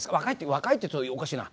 若いって言うとおかしいな。